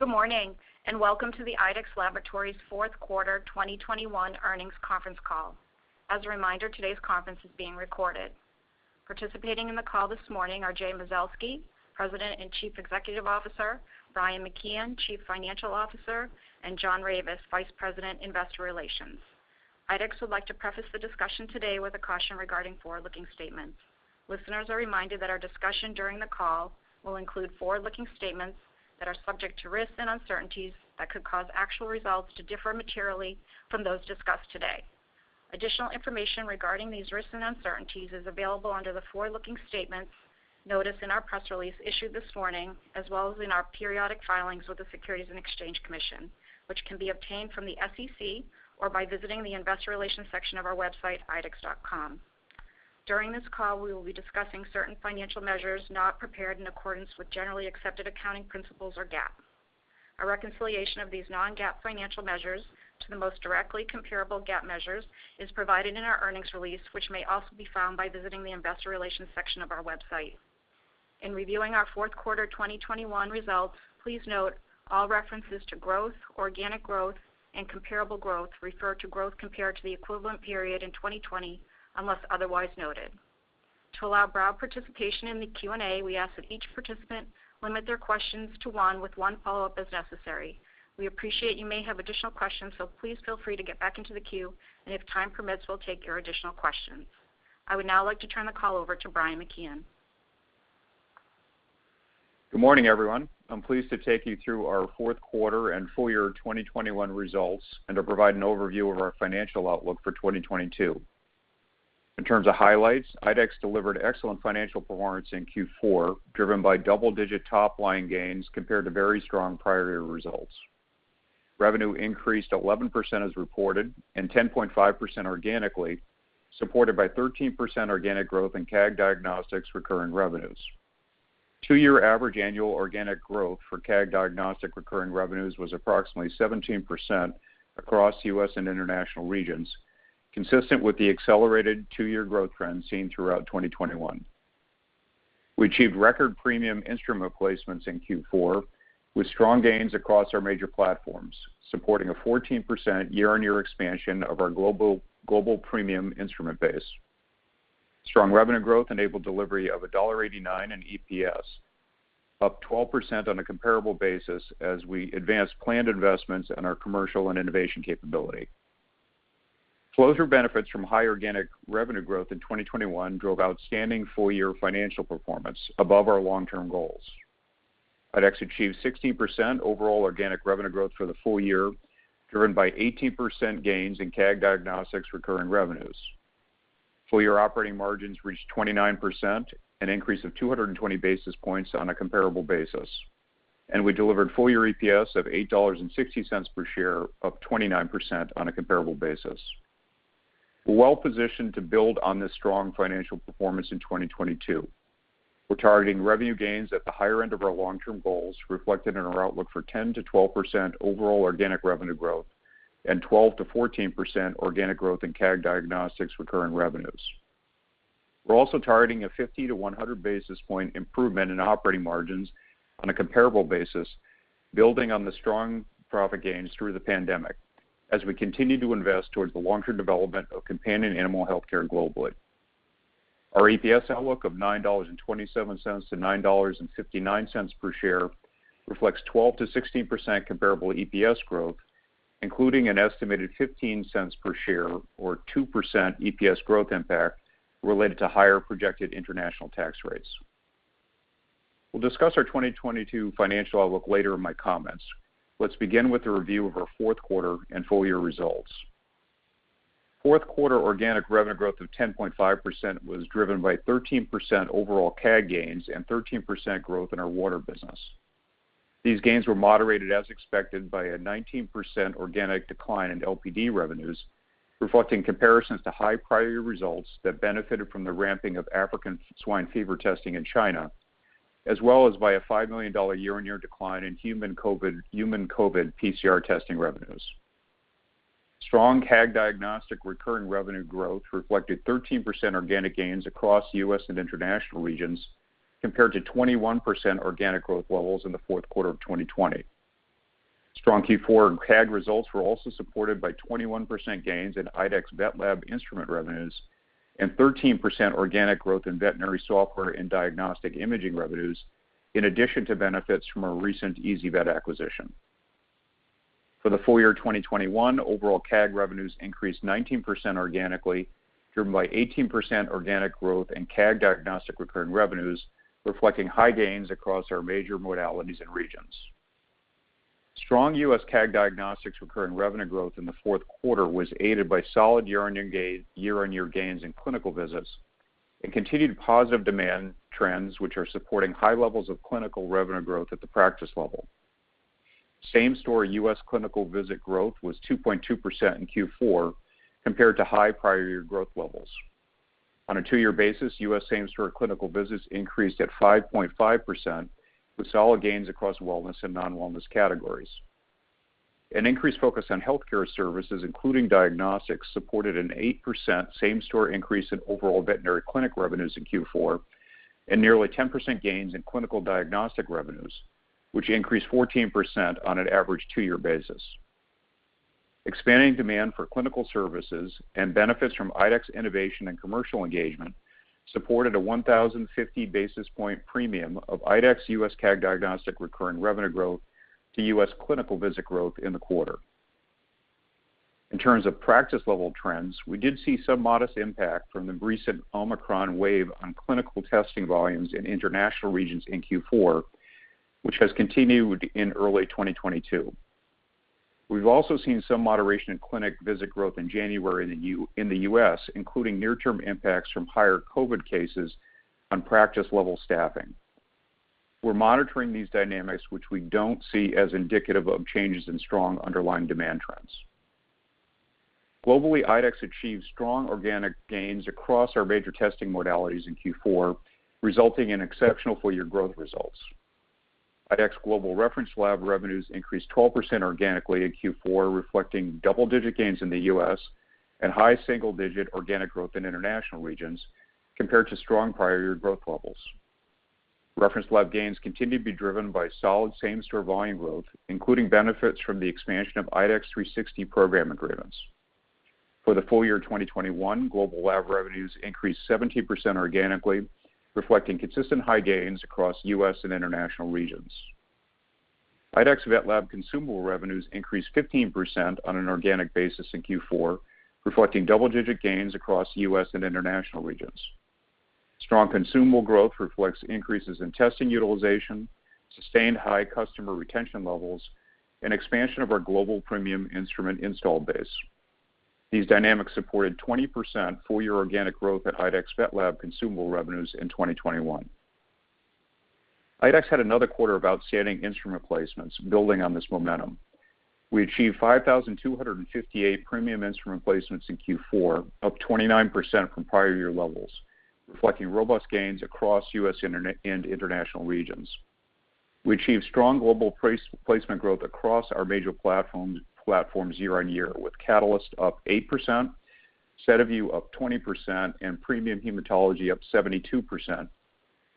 Good morning, and welcome to the IDEXX Laboratories Q4 2021 Earnings Conference Call. As a reminder, today's conference is being recorded. Participating in the call this morning are Jay Mazelsky, President and Chief Executive Officer, Brian McKeon, Chief Financial Officer, and John Ravis, Vice President, Investor Relations. IDEXX would like to preface the discussion today with a caution regarding forward-looking statements. Listeners are reminded that our discussion during the call will include forward-looking statements that are subject to risks and uncertainties that could cause actual results to differ materially from those discussed today. Additional information regarding these risks and uncertainties is available under the Forward-Looking Statements Notice in our press release issued this morning, as well as in our periodic filings with the Securities and Exchange Commission, which can be obtained from the SEC or by visiting the Investor Relations section of our website, idexx.com. During this call, we will be discussing certain financial measures not prepared in accordance with generally accepted accounting principles, or GAAP. A reconciliation of these non-GAAP financial measures to the most directly comparable GAAP measures is provided in our earnings release, which may also be found by visiting the Investor Relations section of our website. In reviewing our Q4 2021 results, please note all references to growth, organic growth, and comparable growth refer to growth compared to the equivalent period in 2020, unless otherwise noted. To allow broad participation in the Q&A, we ask that each participant limit their questions to one with one follow-up as necessary. We appreciate you may have additional questions, so please feel free to get back into the queue, and if time permits, we'll take your additional questions. I would now like to turn the call over to Brian McKeon. Good morning, everyone. I'm pleased to take you through our Q4 and full-year 2021 results and to provide an overview of our financial outlook for 2022. In terms of highlights, IDEXX delivered excellent financial performance in Q4, driven by double-digit top-line gains compared to very strong prior-year results. Revenue increased 11% as reported and 10.5% organically, supported by 13% organic growth in CAG Diagnostics recurring revenues. Two-year average annual organic growth for CAG Diagnostics recurring revenues was approximately 17% across U.S. and international regions, consistent with the accelerated two-year growth trend seen throughout 2021. We achieved record premium instrument placements in Q4 with strong gains across our major platforms, supporting a 14% year-on-year expansion of our global premium instrument base. Strong revenue growth enabled delivery of $1.89 in EPS, up 12% on a comparable basis as we advanced planned investments in our commercial and innovation capability. Flow-through benefits from high-organic revenue growth in 2021 drove outstanding full-year financial performance above our long-term goals. IDEXX achieved 16% overall organic revenue growth for the full-year, driven by 18% gains in CAG Diagnostics recurring revenues. Full-year operating margins reached 29%, an increase of 220 basis points on a comparable basis. We delivered full-year EPS of $8.60 per share, up 29% on a comparable basis. We're well-positioned to build on this strong financial performance in 2022. We're targeting revenue gains at the higher-end of our long-term goals, reflected in our outlook for 10%-12% overall organic revenue growth and 12%-14% organic growth in CAG Diagnostics recurring revenues. We're also targeting a 50-100 basis point improvement in operating margins on a comparable basis, building on the strong profit gains through the pandemic as we continue to invest towards the longer development of companion animal healthcare globally. Our EPS outlook of $9.27-$9.59 per share reflects 12%-16% comparable EPS growth, including an estimated $0.15 per share or 2% EPS growth impact related to higher projected international tax rates. We'll discuss our 2022 financial outlook later in my comments. Let's begin with a review of our Q4 and full-year results. Q4 organic revenue growth of 10.5% was driven by 13% overall CAG gains and 13% growth in our water business. These gains were moderated as expected by a 19% organic decline in LPD revenues, reflecting comparisons to high prior-year results that benefited from the ramping of African swine fever testing in China, as well as by a $5 million year-on-year decline in human COVID PCR testing revenues. Strong CAG Diagnostics recurring revenue growth reflected 13% organic gains across U.S. and international regions compared to 21% organic growth levels in Q4 of 2020. Strong Q4 CAG results were also supported by 21% gains in IDEXX VetLab instrument revenues and 13% organic growth in veterinary software and diagnostic imaging revenues, in addition to benefits from our recent ezyVet acquisition. For the full-year 2021, overall CAG revenues increased 19% organically, driven by 18% organic growth in CAG Diagnostics recurring revenues, reflecting high-gains across our major modalities and regions. Strong U.S. CAG Diagnostics recurring revenue growth in Q4 was aided by solid year-on-year gains in clinical visits and continued positive demand trends, which are supporting high-levels of clinical revenue growth at the practice level. Same-store U.S. clinical visit growth was 2.2% in Q4 compared to high prior-year growth levels. On a two-year basis, U.S. same-store clinical visits increased at 5.5% with solid gains across wellness and non-wellness categories. An increased focus on healthcare services, including diagnostics, supported an 8% same-store increase in overall veterinary clinic revenues in Q4 and nearly 10% gains in clinical diagnostic revenues, which increased 14% on an average two-year basis. Expanding demand for clinical services and benefits from IDEXX innovation and commercial engagement supported a 1,050 basis point premium of IDEXX U.S. CAG diagnostic recurring revenue growth to U.S. clinical visit growth in the quarter. In terms of practice level trends, we did see some modest impact from the recent Omicron wave on clinical testing volumes in international regions in Q4, which has continued in early 2022. We've also seen some moderation in clinic visit growth in January in the U.S., including near-term impacts from higher COVID cases on practice-level staffing. We're monitoring these dynamics, which we don't see as indicative of changes in strong underlying demand trends. Globally, IDEXX achieved strong organic gains across our major testing modalities in Q4, resulting in exceptional full-year growth results. IDEXX Global Reference Lab revenues increased 12% organically in Q4, reflecting double-digit gains in the U.S. and high-single-digit organic growth in international regions compared to strong prior-year growth levels. Reference lab gains continue to be driven by solid same-store volume growth, including benefits from the expansion of IDEXX 360 program agreements. For the full-year 2021, global lab revenues increased 17% organically, reflecting consistent high-gains across U.S. and international regions. IDEXX VetLab consumable revenues increased 15% on an organic basis in Q4, reflecting double-digit gains across U.S. and international regions. Strong consumable growth reflects increases in testing utilization, sustained high customer retention levels, and expansion of our global premium instrument install base. These dynamics supported 20% full-year organic growth at IDEXX VetLab consumable revenues in 2021. IDEXX had another quarter of outstanding instrument placements building on this momentum. We achieved 5,258 premium instrument placements in Q4, up 29% from prior- year levels, reflecting robust gains across U.S. and international regions. We achieved strong global placement growth across our major platforms year-over-year, with Catalyst up 8%, SediVue up 20%, and premium hematology up 72%,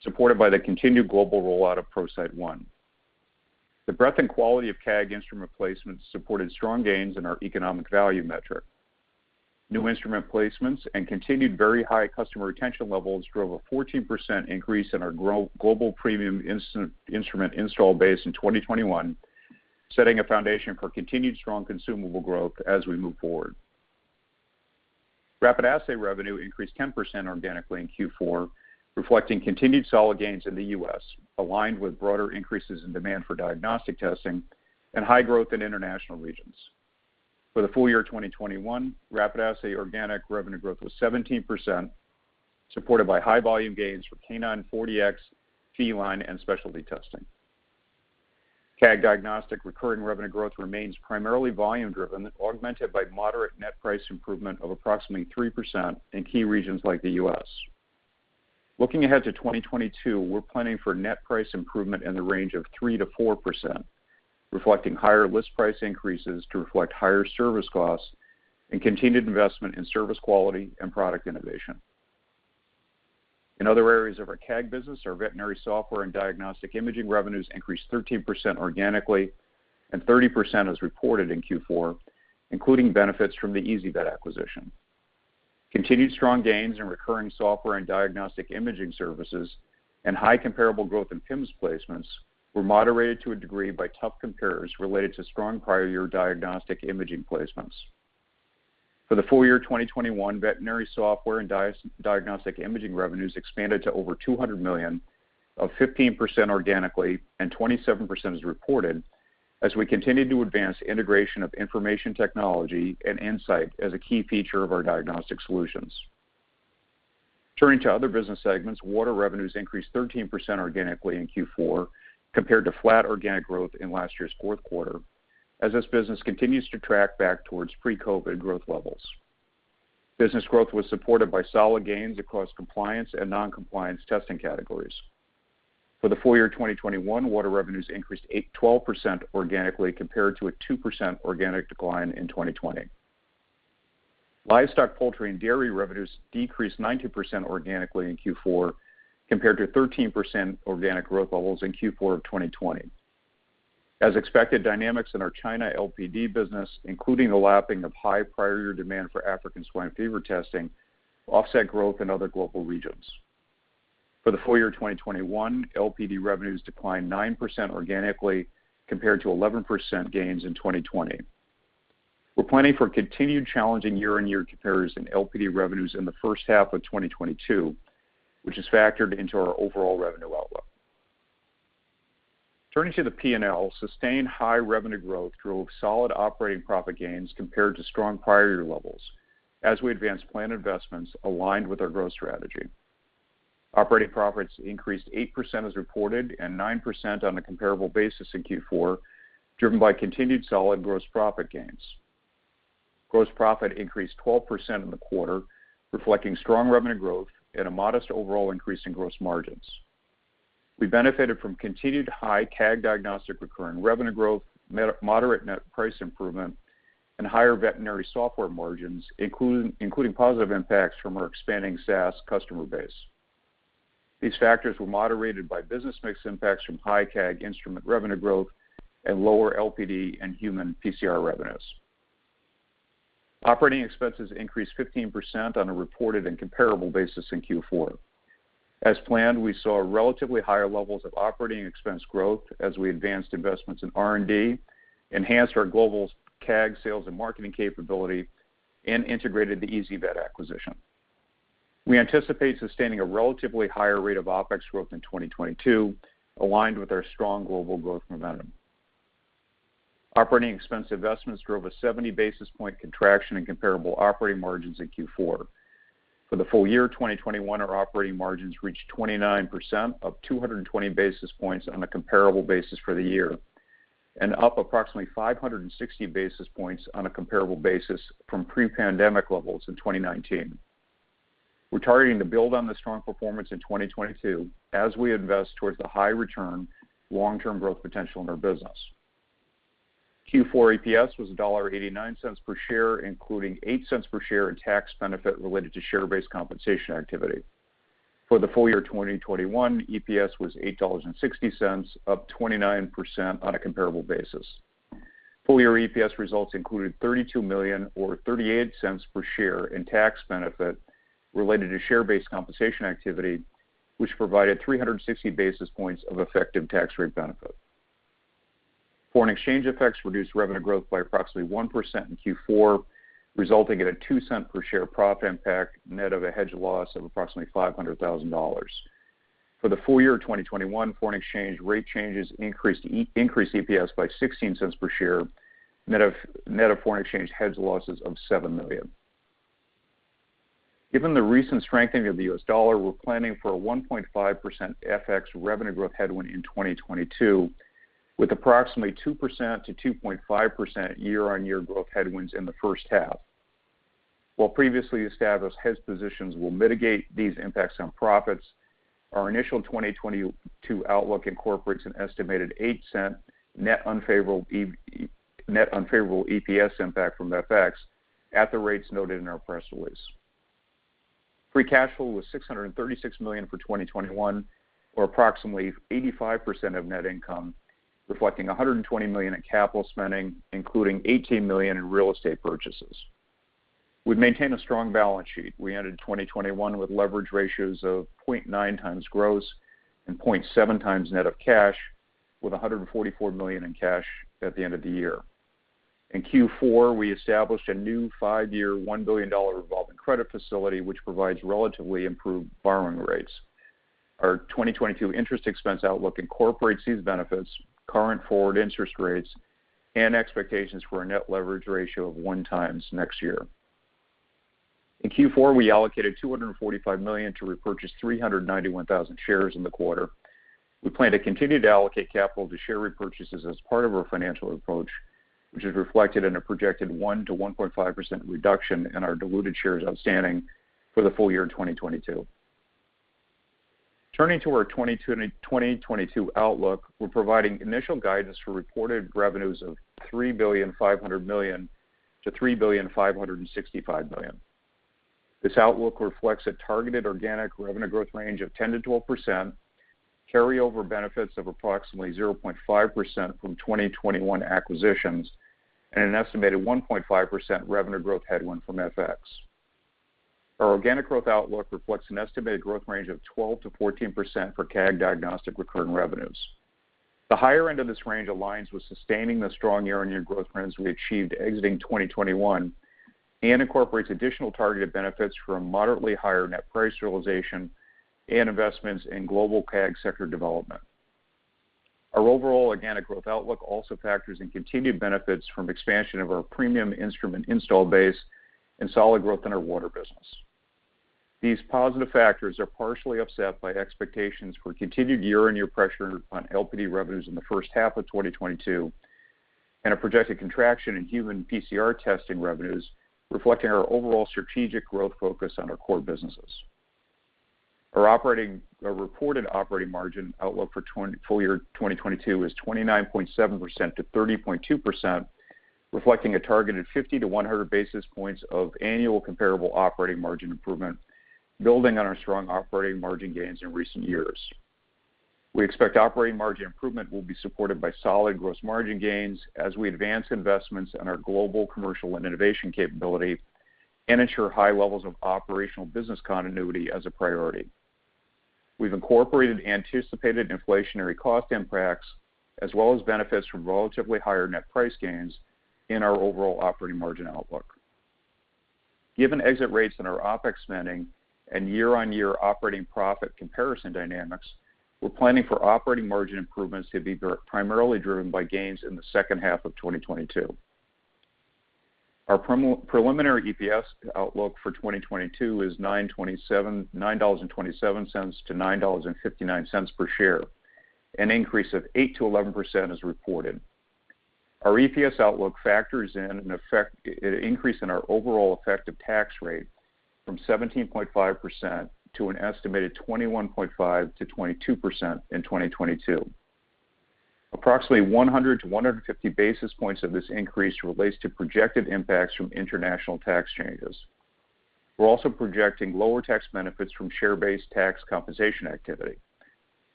supported by the continued global rollout of ProCyte One. The breadth and quality of CAG instrument placements supported strong gains in our economic value metric. New instrument placements and continued very high customer retention levels drove a 14% increase in our growing global premium instrument install base in 2021, setting a foundation for continued strong consumable growth as we move forward. Rapid assay revenue increased 10% organically in Q4, reflecting continued solid gains in the U.S., aligned with broader increases in demand for diagnostic testing and high growth in international regions. For the full-year 2021, rapid assay organic revenue growth was 17%, supported by high volume gains for canine 4Dx, feline, and specialty testing. CAG diagnostic recurring revenue growth remains primarily volume driven, augmented by moderate net price improvement of approximately 3% in key regions like the U.S. Looking ahead to 2022, we're planning for net price improvement in the range of 3%-4%, reflecting higher list price increases to reflect higher service costs and continued investment in service quality and product innovation. In other areas of our CAG business, our veterinary software and diagnostic imaging revenues increased 13% organically and 30% as reported in Q4, including benefits from the ezyVet acquisition. Continued strong gains in recurring software and diagnostic imaging services and high comparable growth in PIMS placements were moderated to a degree by tough compares related to strong prior-year diagnostic imaging placements. For the full-year 2021, veterinary software and diagnostic imaging revenues expanded to over $200 million, up 15% organically and 27% as reported as we continued to advance integration of information technology and insight as a key feature of our diagnostic solutions. Turning to other business segments, water revenues increased 13% organically in Q4 compared to flat organic growth in last year's Q4 as this business continues to track back towards pre-COVID growth levels. Business growth was supported by solid gains across compliance and non-compliance testing categories. For the full-year 2021, water revenues increased 12% organically compared to a 2% organic decline in 2020. Livestock, poultry, and dairy revenues decreased 19% organically in Q4 compared to 13% organic growth levels in Q4 of 2020. As expected, dynamics in our China LPD business, including the lapping of high prior-year demand for African swine fever testing, offset growth in other global regions. For the full-year 2021, LPD revenues declined 9% organically compared to 11% gains in 2020. We're planning for continued challenging year-on-year compares in LPD revenues in the first half of 2022, which is factored into our overall revenue outlook. Turning to the P&L, sustained high revenue growth drove solid operating profit gains compared to strong prior-year levels as we advanced planned investments aligned with our growth strategy. Operating profits increased 8% as reported and 9% on a comparable basis in Q4, driven by continued solid gross profit gains. Gross profit increased 12% in the quarter, reflecting strong revenue growth and a modest overall increase in gross margins. We benefited from continued high CAG diagnostic recurring revenue growth, moderate net price improvement, and higher veterinary software margins, including positive impacts from our expanding SaaS customer base. These factors were moderated by business mix impacts from high CAG instrument revenue growth and lower LPD and human PCR revenues. Operating expenses increased 15% on a reported and comparable basis in Q4. As planned, we saw relatively higher-levels of operating expense growth as we advanced investments in R&D, enhanced our global CAG sales and marketing capability, and integrated the ezyVet acquisition. We anticipate sustaining a relatively higher rate of OpEx growth in 2022, aligned with our strong global growth momentum. Operating expense investments drove a 70 basis point contraction in comparable operating margins in Q4. For the full-year 2021, our operating margins reached 29%, up 220 basis points on a comparable basis for the year, and up approximately 560 basis points on a comparable basis from pre-pandemic levels in 2019. We're targeting to build on this strong performance in 2022 as we invest towards the high return, long-term growth potential in our business. Q4 EPS was $1.89 per share, including $0.08 per share in tax benefit related to share-based compensation activity. For the full-year 2021, EPS was $8.60, up 29% on a comparable basis. Full-year EPS results included $32 million or $0.38 per share in tax benefit related to share-based compensation activity, which provided 360 basis points of effective tax rate benefit. Foreign exchange effects reduced revenue growth by approximately 1% in Q4, resulting in a $0.02 per share profit impact net of a hedge loss of approximately $500,000. For the full-year 2021, foreign exchange rate changes increased EPS by $0.16 per share, net of foreign exchange hedge losses of $7 million. Given the recent strengthening of the U.S. dollar, we're planning for a 1.5% FX revenue growth headwind in 2022, with approximately 2%-2.5% year-on-year growth headwinds in the first half. While previously established hedge positions will mitigate these impacts on profits, our initial 2022 outlook incorporates an estimated $0.08 net unfavorable EPS impact from FX at the rates noted in our press release. Free cash flow was $636 million for 2021, or approximately 85% of net income, reflecting $120 million in capital spending, including $18 million in real estate purchases. We've maintained a strong balance sheet. We ended 2021 with leverage ratios of 0.9 times gross and 0.7 times net of cash, with $144 million in cash at the end of the year. In Q4, we established a new 5-year, $1 billion revolving credit facility, which provides relatively improved borrowing rates. Our 2022 interest expense outlook incorporates these benefits, current forward interest rates, and expectations for a net leverage ratio of 1x next year. In Q4, we allocated $245 million to repurchase 391,000 shares in the quarter. We plan to continue to allocate capital to share repurchases as part of our financial approach, which is reflected in a projected 1%-1.5% reduction in our diluted shares outstanding for the full-year in 2022. Turning to our 2022 outlook, we're providing initial guidance for reported revenues of $3.5 billion-$3.565 billion. This outlook reflects a targeted organic revenue growth range of 10%-12%, carryover benefits of approximately 0.5% from 2021 acquisitions, and an estimated 1.5% revenue growth headwind from FX. Our organic growth outlook reflects an estimated growth range of 12%-14% for CAG diagnostic recurring revenues. The higher-end of this range aligns with sustaining the strong year-over-year growth trends we achieved exiting 2021 and incorporates additional targeted benefits from moderately higher net price realization and investments in global CAG sector development. Our overall organic growth outlook also factors in continued benefits from expansion of our premium instrument install base and solid growth in our water business. These positive factors are partially offset by expectations for continued year-on-year pressure on LPD revenues in the first half of 2022 and a projected contraction in human PCR testing revenues, reflecting our overall strategic growth focus on our core businesses. Our reported operating margin outlook for full-year 2022 is 29.7%-30.2%, reflecting a targeted 50-100 basis points of annual comparable operating margin improvement, building on our strong operating margin gains in recent years. We expect operating margin improvement will be supported by solid gross margin gains as we advance investments in our global commercial and innovation capability and ensure high-levels of operational business continuity as a priority. We've incorporated anticipated inflationary cost impacts as well as benefits from relatively higher net price gains in our overall operating margin outlook. Given exit rates in our OpEx spending and year-on-year operating profit comparison dynamics, we're planning for operating margin improvements to be primarily driven by gains in the second half of 2022. Our preliminary EPS outlook for 2022 is $9.27-$9.59 per share, an increase of 8%-11% as reported. Our EPS outlook factors in an effective increase in our overall effective tax rate from 17.5% to an estimated 21.5%-22% in 2022. Approximately 100-150 basis points of this increase relates to projected impacts from international tax changes. We're also projecting lower tax benefits from share-based tax compensation activity.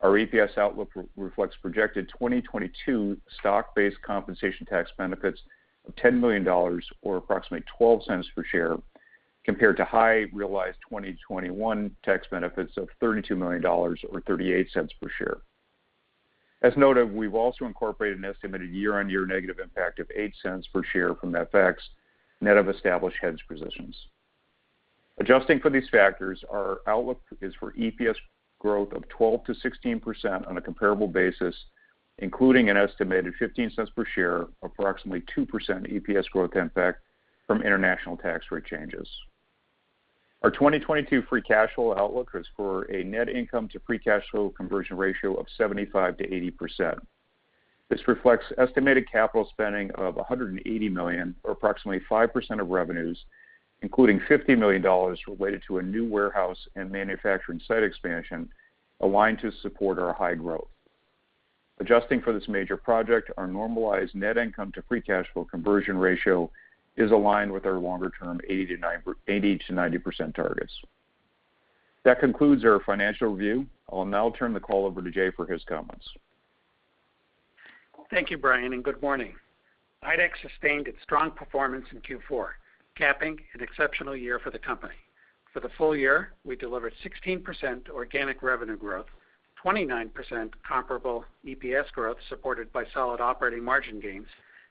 Our EPS outlook reflects projected 2022 stock-based compensation tax benefits of $10 million or approximately $0.12 per share, compared to higher realized 2021 tax benefits of $32 million or $0.38 per share. As noted, we've also incorporated an estimated year-on-year negative impact of $0.08 per share from FX, net of established hedge positions. Adjusting for these factors, our outlook is for EPS growth of 12%-16% on a comparable basis, including an estimated $0.15 per share, approximately 2% EPS growth impact from international tax rate changes. Our 2022 free cash flow outlook is for a net income to free cash flow conversion ratio of 75%-80%. This reflects estimated capital spending of $180 million, or approximately 5% of revenues, including $50 million related to a new warehouse and manufacturing site expansion aligned to support our high growth. Adjusting for this major project, our normalized net income to free cash flow conversion ratio is aligned with our longer-term 80%-90% targets. That concludes our financial review. I'll now turn the call over to Jay for his comments. Thank you, Brian, and good morning. IDEXX sustained its strong performance in Q4, capping an exceptional year for the company. For the full-year, we delivered 16% organic revenue growth, 29% comparable EPS growth supported by solid operating margin gains,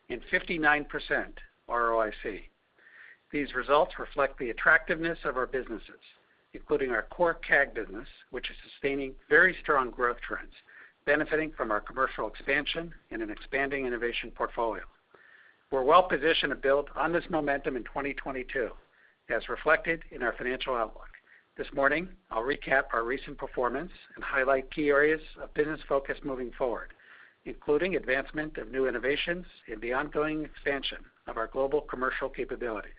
and 59% ROIC. These results reflect the attractiveness of our businesses, including our core CAG business, which is sustaining very strong growth trends, benefiting from our commercial expansion and an expanding innovation portfolio. We're well-positioned to build on this momentum in 2022, as reflected in our financial outlook. This morning, I'll recap our recent performance and highlight key areas of business focus moving forward, including advancement of new innovations and the ongoing expansion of our global commercial capabilities.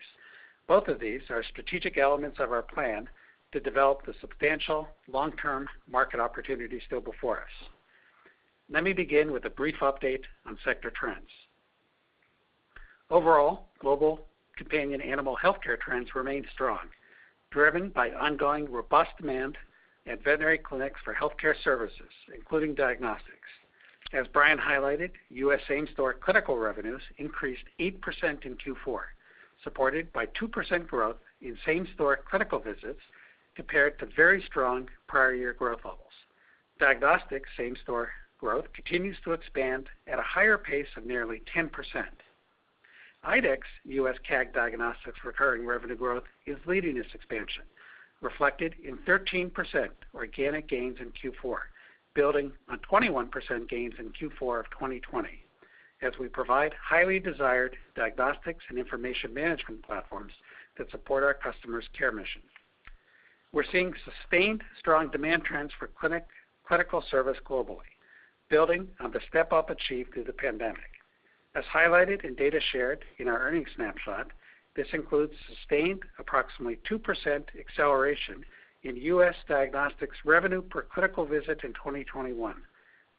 Both of these are strategic elements of our plan to develop the substantial long-term market opportunities still before us. Let me begin with a brief update on sector trends. Overall, global companion animal healthcare trends remain strong, driven by ongoing robust demand at veterinary clinics for healthcare services, including diagnostics. As Brian highlighted, U.S. same-store clinical revenues increased 8% in Q4, supported by 2% growth in same-store clinical visits compared to very strong prior-year growth levels. Diagnostics same-store growth continues to expand at a higher pace of nearly 10%. IDEXX U.S. CAG Diagnostics recurring revenue growth is leading this expansion, reflected in 13% organic gains in Q4, building on 21% gains in Q4 of 2020, as we provide highly desired diagnostics and information management platforms that support our customers' care mission. We're seeing sustained strong demand trends for clinical services globally, building on the step-up achieved through the pandemic. As highlighted in data shared in our earnings snapshot, this includes sustained approximately 2% acceleration in U.S. diagnostics revenue per clinical visit in 2021,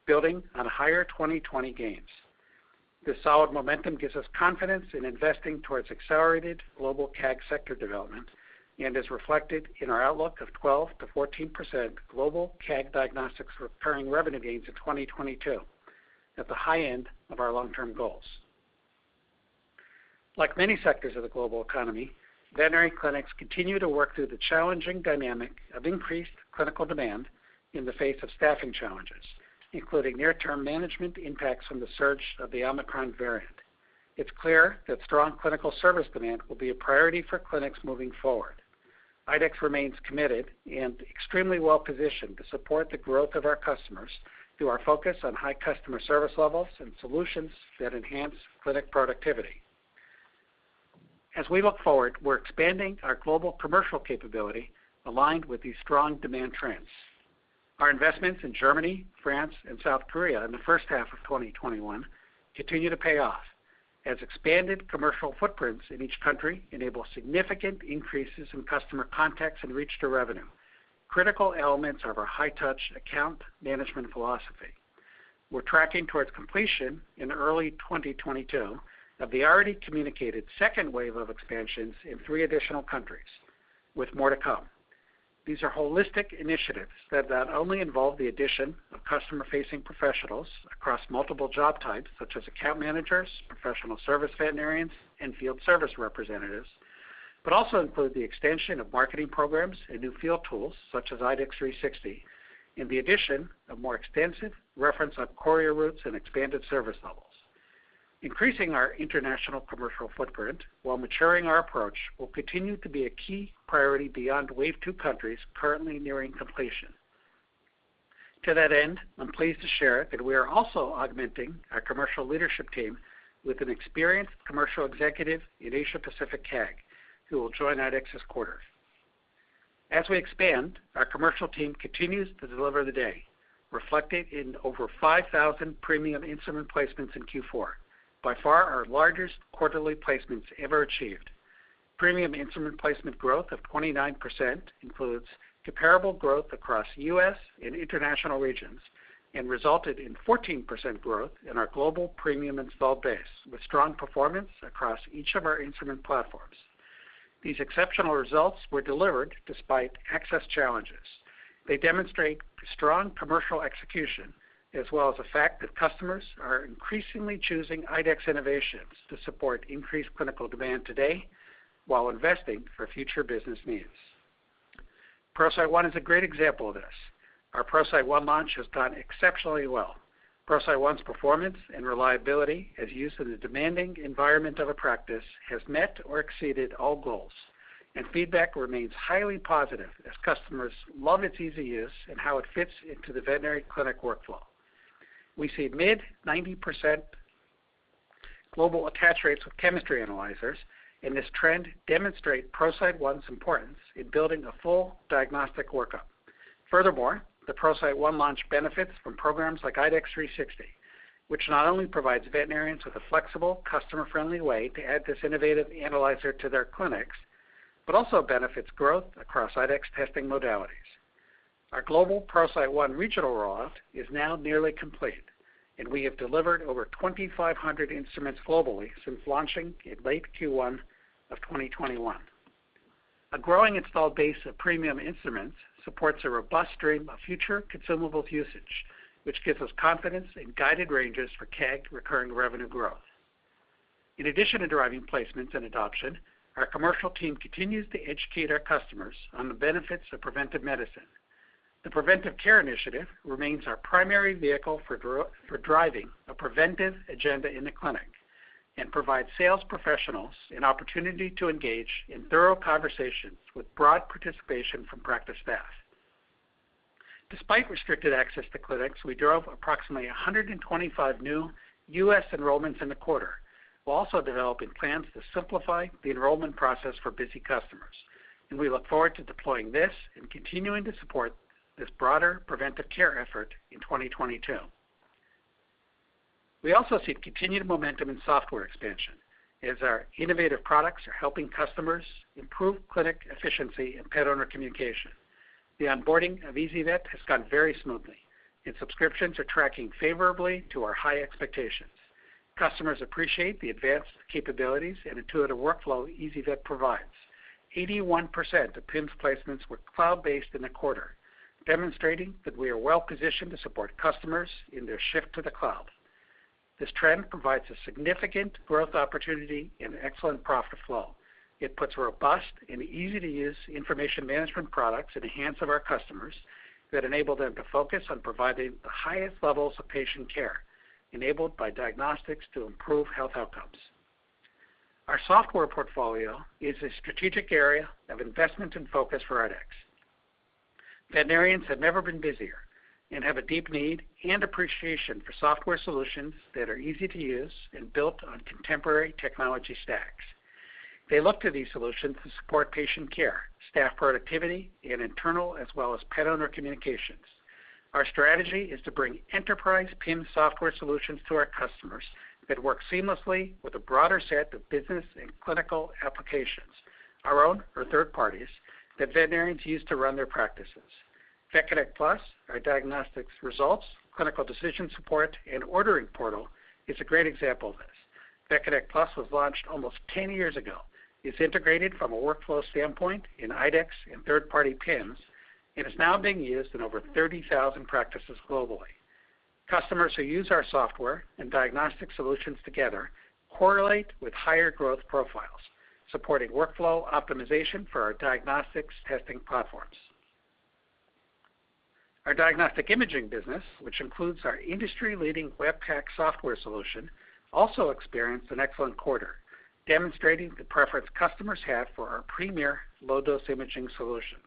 building on higher 2020 gains. This solid momentum gives us confidence in investing towards accelerated global CAG sector development and is reflected in our outlook of 12%-14% global CAG diagnostics recurring revenue gains in 2022, at the high-end of our long-term goals. Like many sectors of the global economy, veterinary clinics continue to work through the challenging dynamic of increased clinical demand in the face of staffing challenges, including near-term management impacts from the surge of the Omicron variant. It's clear that strong clinical service demand will be a priority for clinics moving forward. IDEXX remains committed and extremely well-positioned to support the growth of our customers through our focus on high customer service levels and solutions that enhance clinic productivity. As we look forward, we're expanding our global commercial capability aligned with these strong demand trends. Our investments in Germany, France, and South Korea in the first half of 2021 continue to pay off as expanded commercial footprints in each country enable significant increases in customer contacts and reach to revenue, critical elements of our high-touch account management philosophy. We're tracking towards completion in early 2022 of the already communicated second wave of expansions in three additional countries, with more to come. These are holistic initiatives that not only involve the addition of customer-facing professionals across multiple job types such as account managers, professional service veterinarians, and field service representatives, but also include the extension of marketing programs and new field tools such as IDEXX 360, and the addition of more expansive reference of courier routes and expanded service levels. Increasing our international commercial footprint while maturing our approach will continue to be a key priority beyond wave 2 countries currently nearing completion. To that end, I'm pleased to share that we are also augmenting our commercial leadership team with an experienced commercial executive in Asia Pacific CAG, who will join IDEXX this quarter. As we expand, our commercial team continues to deliver today, reflected in over 5,000 premium instrument placements in Q4. By far our largest quarterly placements ever achieved. Premium instrument placement growth of 29% includes comparable growth across U.S. and international regions and resulted in 14% growth in our global premium installed base with strong performance across each of our instrument platforms. These exceptional results were delivered despite access challenges. They demonstrate strong commercial execution as well as the fact that customers are increasingly choosing IDEXX innovations to support increased clinical demand today while investing for future business needs. ProCyte One is a great example of this. Our ProCyte One launch has done exceptionally well. ProCyte One's performance and reliability as used in the demanding environment of a practice has met or exceeded all goals, and feedback remains highly positive as customers love its easy use and how it fits into the veterinary clinic workflow. We see mid-90% global attach rates with chemistry analyzers, and this trend demonstrate ProCyte One's importance in building a full diagnostic workup. Furthermore, the ProCyte One launch benefits from programs like IDEXX 360, which not only provides veterinarians with a flexible, customer-friendly way to add this innovative analyzer to their clinics, but also benefits growth across IDEXX testing modalities. Our global ProCyte One regional rollout is now nearly complete, and we have delivered over 2,500 instruments globally since launching in late Q1 of 2021. A growing installed base of premium instruments supports a robust stream of future consumables usage, which gives us confidence in guided ranges for CAG recurring revenue growth. In addition to driving placements and adoption, our commercial team continues to educate our customers on the benefits of preventive medicine. The preventive care initiative remains our primary vehicle for driving a preventive agenda in the clinic and provides sales professionals an opportunity to engage in thorough conversations with broad participation from practice staff. Despite restricted access to clinics, we drove approximately 125 new U.S. enrollments in the quarter, while also developing plans to simplify the enrollment process for busy customers. We look forward to deploying this and continuing to support this broader preventive care effort in 2022. We also see continued momentum in software expansion as our innovative products are helping customers improve clinic efficiency and pet owner communication. The onboarding of ezyVet has gone very smoothly, and subscriptions are tracking favorably to our high-expectations. Customers appreciate the advanced capabilities and intuitive workflow ezyVet provides. 81% of PIMS placements were cloud-based in the quarter, demonstrating that we are well positioned to support customers in their shift to the cloud. This trend provides a significant growth opportunity and excellent profit flow. It puts robust and easy-to-use information management products in the hands of our customers that enable them to focus on providing the highest-levels of patient care enabled by diagnostics to improve health outcomes. Our software portfolio is a strategic area of investment and focus for IDEXX. Veterinarians have never been busier and have a deep need and appreciation for software solutions that are easy to use and built on contemporary technology stacks. They look to these solutions to support patient care, staff productivity, and internal as well as pet owner communications. Our strategy is to bring enterprise PIM software solutions to our customers that work seamlessly with a broader set of business and clinical applications, our own or third parties, that veterinarians use to run their practices. VetConnect PLUS, our diagnostics results, clinical decision support, and ordering portal is a great example of this. VetConnect PLUS was launched almost 10-years ago. It's integrated from a workflow standpoint in IDEXX and third-party PIMs and is now being used in over 30,000 practices globally. Customers who use our software and diagnostic solutions together correlate with higher growth profiles, supporting workflow optimization for our diagnostics testing platforms. Our diagnostic imaging business, which includes our industry-leading Web PACS software solution, also experienced an excellent quarter, demonstrating the preference customers have for our premier low-dose imaging solutions.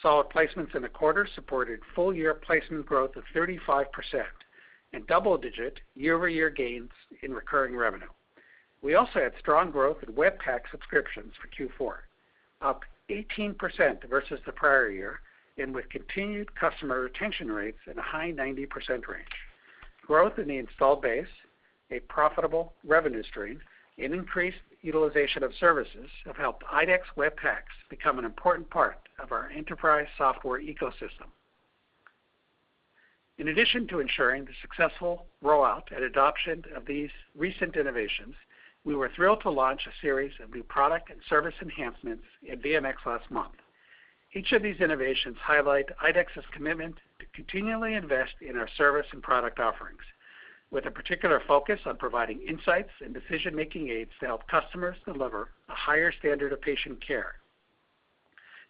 Solid placements in the quarter supported full-year placement growth of 35% and double-digit year-over-year gains in recurring revenue. We also had strong growth in Web PACS subscriptions for Q4, up 18% versus the prior-year and with continued customer retention rates in a high 90% range. Growth in the installed base, a profitable revenue stream, and increased utilization of services have helped IDEXX Web PACS become an important part of our enterprise software ecosystem. In addition to ensuring the successful rollout and adoption of these recent innovations, we were thrilled to launch a series of new product and service enhancements at VMX last month. Each of these innovations highlight IDEXX's commitment to continually invest in our service and product offerings, with a particular focus on providing insights and decision-making aids to help customers deliver a higher standard of patient care.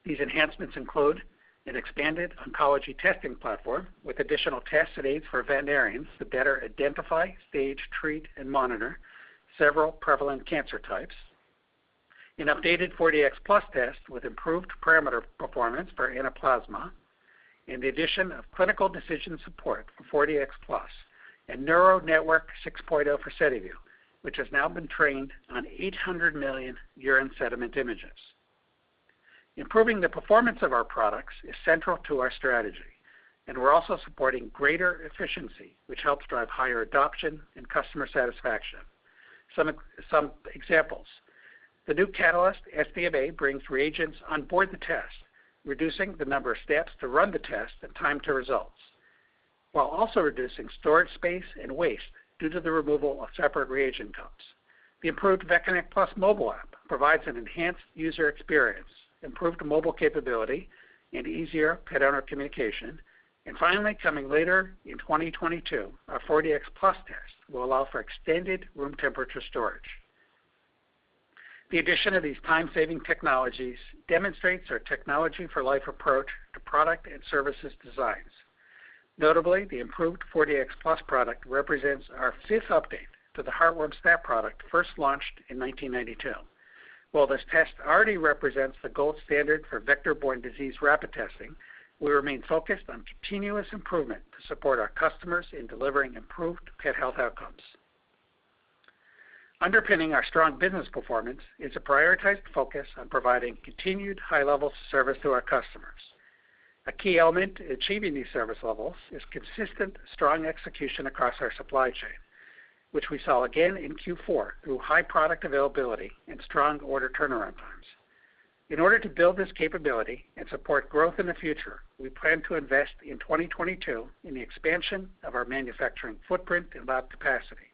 These enhancements include an expanded oncology testing platform with additional tests and aids for veterinarians to better identify, stage, treat, and monitor several prevalent cancer types. An updated 4Dx Plus test with improved parameter performance for Anaplasma. The addition of critical decision support for 4Dx Plus and Neural Network 6.0 for SediVue, which has now been trained on 800 million urine sediment images. Improving the performance of our products is central to our strategy, and we're also supporting greater efficiency, which helps drive higher adoption and customer satisfaction. Some examples. The new Catalyst SBFA brings reagents on board the test, reducing the number of steps to run the test and time to results, while also reducing storage space and waste due to the removal of separate reagent cups. The improved VetConnect PLUS mobile app provides an enhanced user experience, improved mobile capability, and easier pet owner communication. Finally, coming later in 2022, our 4Dx Plus test will allow for extended room temperature storage. The addition of these time saving technologies demonstrates our Technology for Life approach to product and services designs. Notably, the improved 4Dx Plus product represents our fifth update to the heartworm SNAP product first launched in 1992. While this test already represents the gold standard for vector-borne disease rapid testing, we remain focused on continuous improvement to support our customers in delivering improved pet health outcomes. Underpinning our strong business performance is a prioritized focus on providing continued high-levels of service to our customers. A key element to achieving these service levels is consistent, strong execution across our supply chain, which we saw again in Q4 through high-product availability and strong order turnaround times. In order to build this capability and support growth in the future, we plan to invest in 2022 in the expansion of our manufacturing footprint and lab capacity,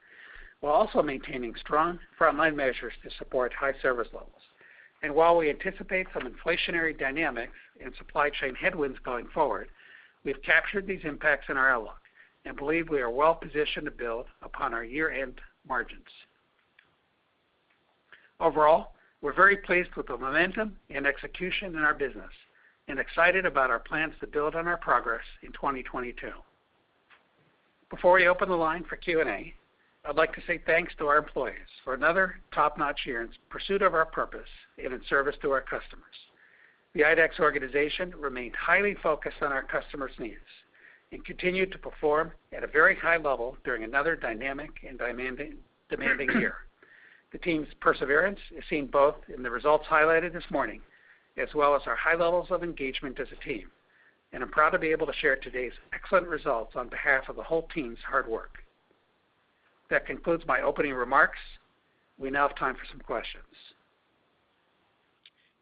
while also maintaining strong frontline measures to support high service levels. While we anticipate some inflationary dynamics and supply chain headwinds going forward, we have captured these impacts in our outlook and believe we are well positioned to build upon our year-end margins. Overall, we're very pleased with the momentum and execution in our business and excited about our plans to build on our progress in 2022. Before we open the line for Q&A, I'd like to say thanks to our employees for another top-notch year in pursuit of our purpose and in service to our customers. The IDEXX organization remained highly focused on our customers' needs and continued to perform at a very high-level during another dynamic and demanding year. The team's perseverance is seen both in the results highlighted this morning, as well as our high-levels of engagement as a team. I'm proud to be able to share today's excellent results on behalf of the whole team's hard work. That concludes my opening remarks. We now have time for some questions.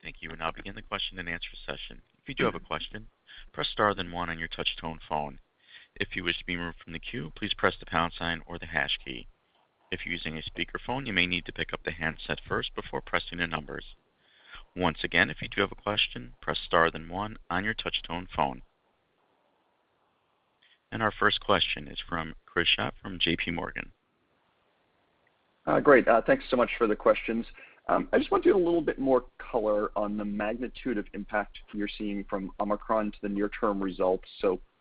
Thank you. We'll now begin the question and answer session. If you do have a question, press star then one on your touch tone phone. If you wish to be removed from the queue, please press the pound sign or the hash key. If you're using a speakerphone, you may need to pick up the handset first before pressing the numbers. Once again, if you do have a question, press star then one on your touch tone phone. Our first question is from Chris Schott from J.P. Morgan. Great. Thanks so much for the questions. I just want to get a little bit more color on the magnitude of impact you're seeing from Omicron to the near term results.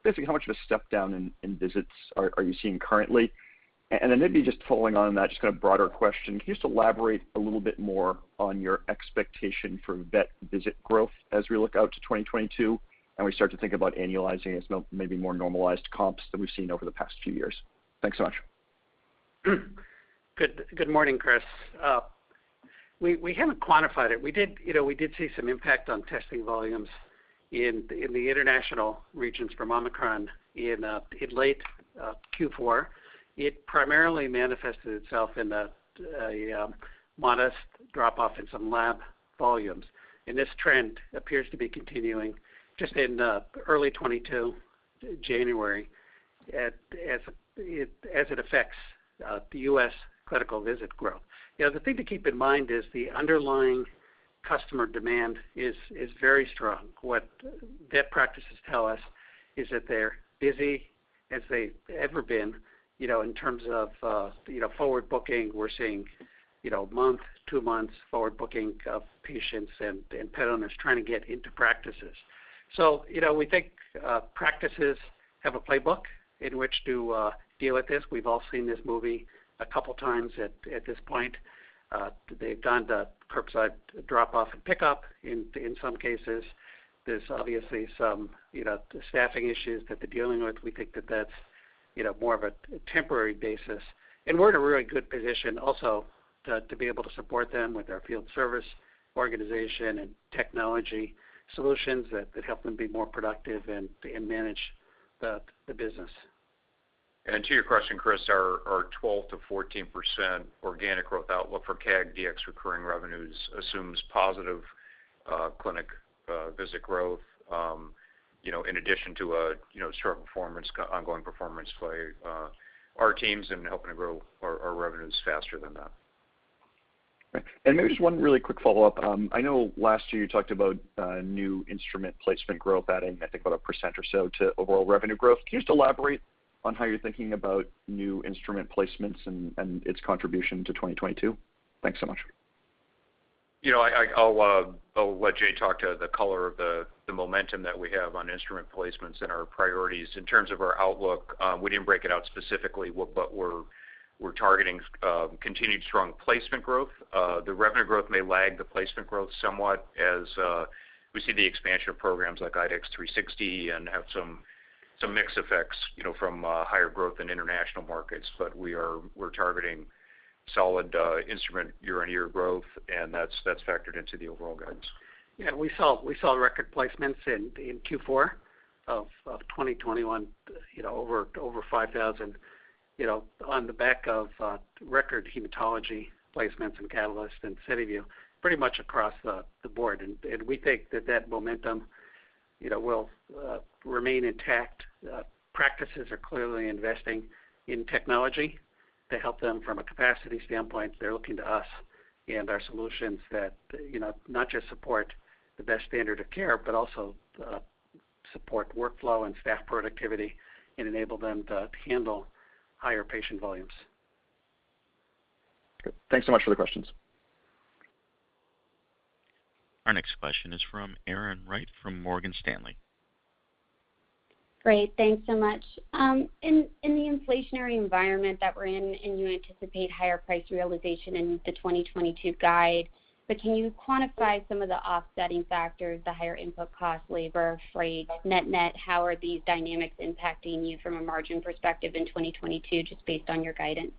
Basically, how much of a step down in visits are you seeing currently? Maybe just following on that, just kind of broader question. Can you just elaborate a little bit more on your expectation for vet visit growth as we look out to 2022 and we start to think about annualizing as maybe more normalized comps than we've seen over the past few years? Thanks so much. Good morning, Chris. We haven't quantified it. We did, you know, see some impact on testing volumes in the international regions from Omicron in late Q4. It primarily manifested itself in a modest drop off in some lab volumes. This trend appears to be continuing just in early 2022, January as it affects the U.S. clinical visit growth. You know, the thing to keep in mind is the underlying customer demand is very strong. What vet practices tell us is that they're busy as they've ever been, you know, in terms of forward booking. We're seeing, you know, one month, 2 months forward booking of patients and pet owners trying to get into practices. You know, we think practices have a playbook in which to deal with this. We've all seen this movie a couple times at this point. They've done the curbside drop off and pickup in some cases. There's obviously some, you know, staffing issues that they're dealing with. We think that that's, you know, more of a temporary basis. We're in a really good position also to be able to support them with our field service organization and technology solutions that help them be more productive and manage the business. To your question, Chris, our 12%-14% organic growth outlook for CAG DX recurring revenues assumes positive clinic visit growth, you know, in addition to a, you know, strong performance, ongoing performance by our teams in helping to grow our revenues faster than that. Maybe just one really quick follow-up. I know last year you talked about new instrument placement growth adding, I think, about 1% or so to overall revenue growth. Can you just elaborate on how you're thinking about new instrument placements and its contribution to 2022? Thanks so much. You know, I'll let Jay talk to the color of the momentum that we have on instrument placements and our priorities. In terms of our outlook, we didn't break it out specifically, but we're targeting continued strong placement growth. The revenue growth may lag the placement growth somewhat as we see the expansion of programs like IDEXX 360 and have some mix effects, you know, from higher growth in international markets. We're targeting solid instrument year-on-year growth, and that's factored into the overall guidance. Yeah, we saw record placements in Q4 of 2021, you know, over 5,000, you know, on the back of record hematology placements and Catalyst and SediVue pretty much across the board. We think that momentum, you know, will remain intact. Practices are clearly investing in technology to help them from a capacity standpoint. They're looking to us and our solutions that, you know, not just support the best standard of care, but also support workflow and staff productivity and enable them to handle higher patient volumes. Okay, thanks so much for the questions. Our next question is from Erin Wright from Morgan Stanley. Great, thanks so much. In the inflationary environment that we're in, and you anticipate higher price realization in the 2022 guide, but can you quantify some of the offsetting factors, the higher input costs, labor, freight, net-net, how are these dynamics impacting you from a margin perspective in 2022 just based on your guidance?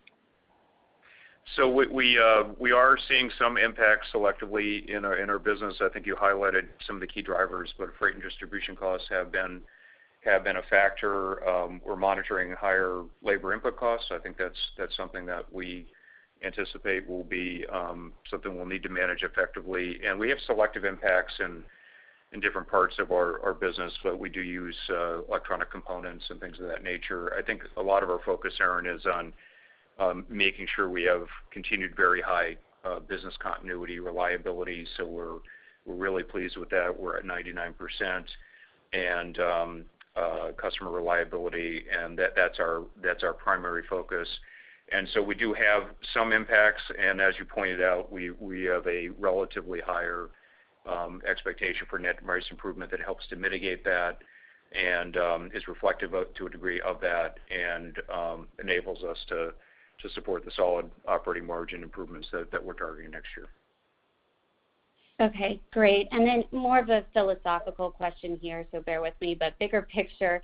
We are seeing some impacts selectively in our business. I think you highlighted some of the key drivers, but freight and distribution costs have been a factor. We're monitoring higher labor input costs. I think that's something that we anticipate will be something we'll need to manage effectively. We have selective impacts in different parts of our business, but we do use electronic components and things of that nature. I think a lot of our focus, Erin, is on making sure we have continued very high business continuity, reliability, so we're really pleased with that. We're at 99% customer reliability, and that's our primary focus. We do have some impacts, and as you pointed out, we have a relatively higher expectation for net price improvement that helps to mitigate that and is reflective of, to a degree of that and enables us to support the solid operating margin improvements that we're targeting next year. Okay, great. More of a philosophical question here, so bear with me. Bigger picture,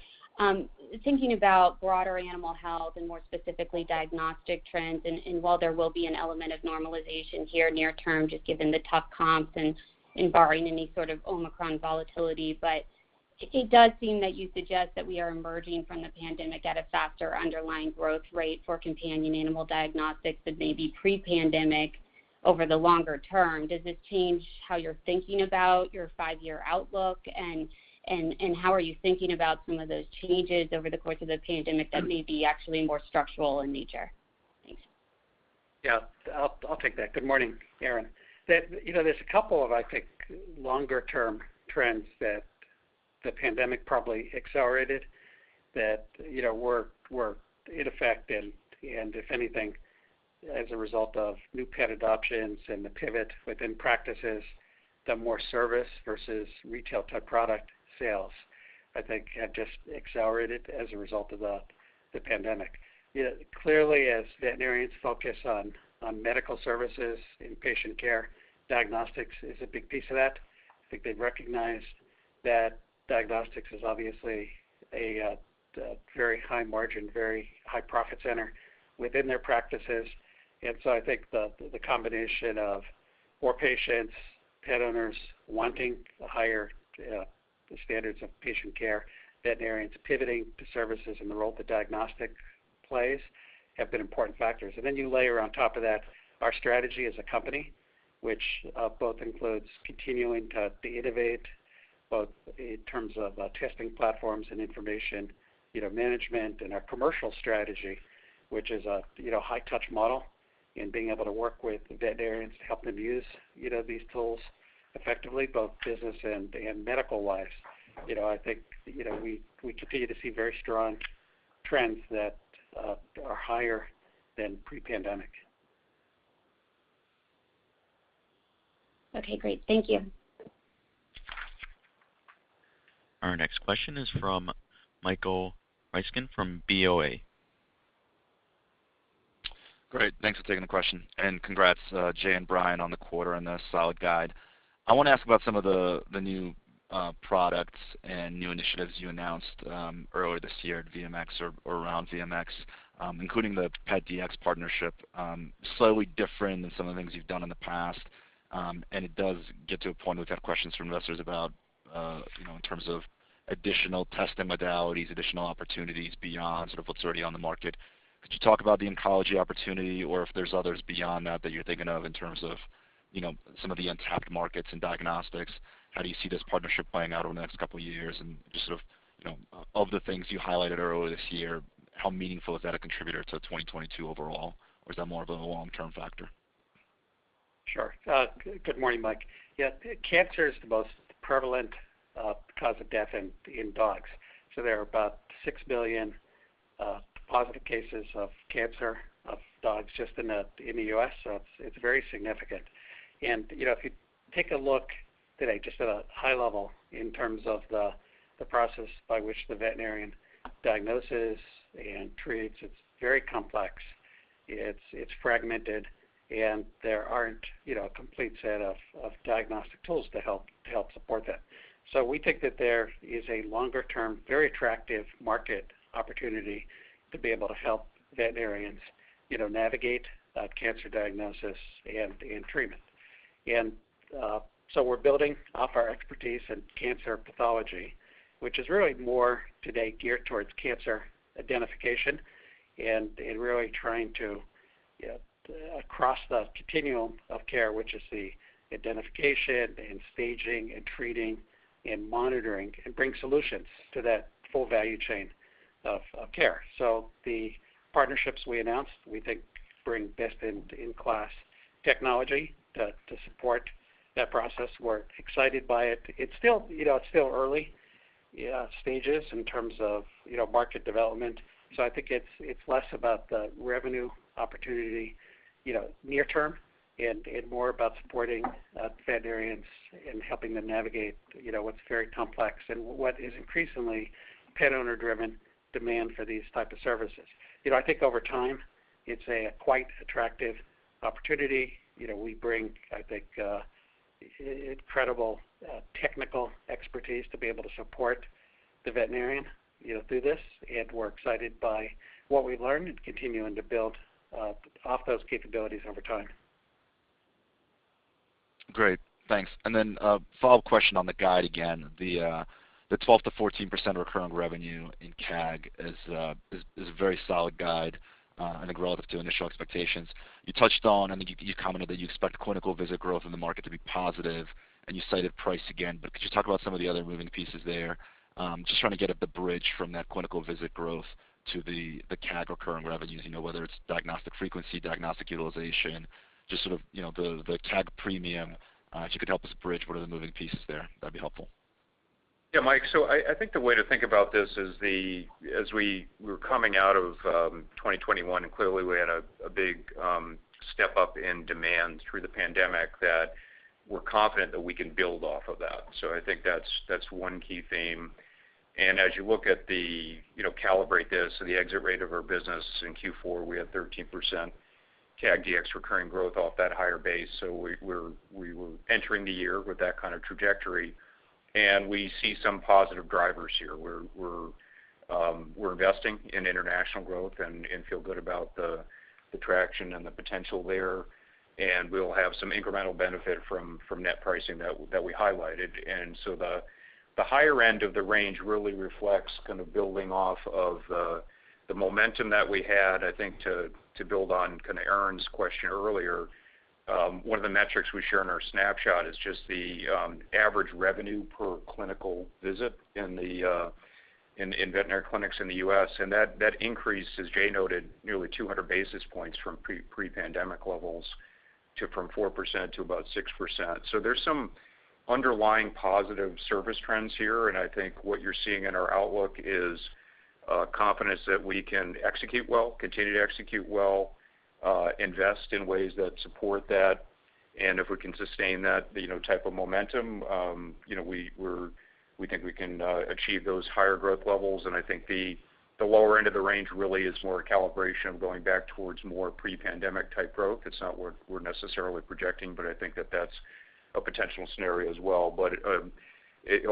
thinking about broader animal health and more specifically diagnostic trends, while there will be an element of normalization here near term, just given the tough comps and barring any sort of Omicron volatility, but it does seem that you suggest that we are emerging from the pandemic at a faster underlying growth rate for companion animal diagnostics than maybe pre-pandemic over the longer term. Does this change how you're thinking about your five-year outlook and how are you thinking about some of those changes over the course of the pandemic that may be actually more structural in nature? Thanks. Yeah, I'll take that. Good morning, Erin. You know, there's a couple of, I think, longer-term trends that the pandemic probably accelerated that you know were in effect. If anything, as a result of new pet adoptions and the pivot within practices, the more service versus retail-type product sales, I think have just accelerated as a result of the pandemic. You know, clearly as veterinarians focus on medical services and patient care, diagnostics is a big piece of that. I think they've recognized that diagnostics is obviously a very high margin, very high profit center within their practices. I think the combination of more patients, pet owners wanting the higher, the standards of patient care, veterinarians pivoting to services and the role that diagnostic plays have been important factors. You layer on top of that our strategy as a company, which both includes continuing to innovate both in terms of testing platforms and information, you know, management and our commercial strategy, which is a you know, high-touch model in being able to work with veterinarians to help them use, you know, these tools effectively, both business and medical-wise. You know, I think, you know, we continue to see very strong trends that are higher than pre-pandemic. Okay, great. Thank you. Our next question is from Michael Ryskin from BOA. Great. Thanks for taking the question. Congrats, Jay and Brian on the quarter and the solid guide. I want to ask about some of the new products and new initiatives you announced earlier this year at VMX or around VMX, including the PetDx partnership, slightly different than some of the things you've done in the past. It does get to a point we've had questions from investors about, you know, in terms of additional testing modalities, additional opportunities beyond sort of what's already on the market. Could you talk about the oncology opportunity or if there's others beyond that that you're thinking of in terms of, you know, some of the untapped markets in diagnostics? How do you see this partnership playing out over the next couple of years? Just sort of, you know, of the things you highlighted earlier this year, how meaningful is that as a contributor to 2022 overall, or is that more of a long-term factor? Sure. Good morning, Mike. Yeah, cancer is the most prevalent cause of death in dogs. There are about 6 million positive cases of cancer in dogs just in the U.S., so it's very significant. You know, if you take a look today just at a high-level in terms of the process by which the veterinarian diagnoses and treats, it's very complex. It's fragmented, and there aren't a complete set of diagnostic tools to help support that. We think that there is a longer-term, very attractive market opportunity to be able to help veterinarians navigate that cancer diagnosis and treatment. We're building off our expertise in cancer pathology, which is really more today geared towards cancer identification and really trying to, you know, across the continuum of care, which is the identification and staging and treating and monitoring, and bring solutions to that full value chain of care. The partnerships we announced, we think bring best in class technology to support that process. We're excited by it. It's still, you know, early stages in terms of, you know, market development. I think it's less about the revenue opportunity, you know, near term and more about supporting veterinarians and helping them navigate, you know, what's very complex and what is increasingly pet owner driven demand for these type of services. You know, I think over time, it's a quite attractive opportunity. You know, we bring, I think, incredible technical expertise to be able to support the veterinarian, you know, through this. We're excited by what we've learned and continuing to build off those capabilities over time. Great. Thanks. Then a follow-up question on the guide again, the 12%-14% recurring revenue in CAG is a very solid guide, I think relative to initial expectations. You touched on, I think you commented that you expect clinical visit growth in the market to be positive, and you cited price again. But could you talk about some of the other moving pieces there? Just trying to get at the bridge from that clinical visit growth to the CAG recurring revenues. You know, whether it's diagnostic frequency, diagnostic utilization, just sort of, you know, the CAG premium. If you could help us bridge what are the moving pieces there, that'd be helpful. Yeah, Mike. I think the way to think about this is as we were coming out of 2021, and clearly we had a big step up in demand through the pandemic that we're confident that we can build off of that. I think that's one key theme. As you look at the, you know, calibrate this, the exit rate of our business in Q4, we had 13% CAG DX recurring growth off that higher base. We were entering the year with that kind of trajectory, and we see some positive drivers here. We're investing in international growth and feel good about the traction and the potential there. We'll have some incremental benefit from net pricing that we highlighted. The higher end of the range really reflects kind of building off of the momentum that we had. I think to build on kind of Erin's question earlier, one of the metrics we share in our snapshot is just the average revenue per clinical visit in the veterinary clinics in the U.S. That increase, as Jay noted, nearly 200 basis points from pre-pandemic levels, from 4% to about 6%. There's some underlying positive service trends here, and I think what you're seeing in our outlook is confidence that we can execute well, continue to execute well, invest in ways that support that. If we can sustain that, you know, type of momentum, you know, we think we can achieve those higher growth levels. I think the lower end of the range really is more a calibration of going back towards more pre-pandemic type growth. It's not what we're necessarily projecting, but I think that that's a potential scenario as well.